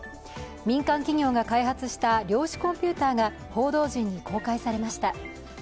民間企業が開発した量子コンピューターが報道陣に公開されました。